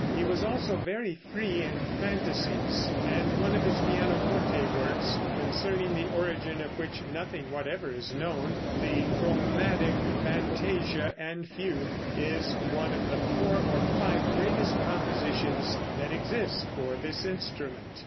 He was also very free in fantasies, and one of his pianoforte works, concerning the origin of which nothing whatever is known, the "Chromatic Fantasia and Fugue," is one of the four or five greatest compositions that exist for this instrument.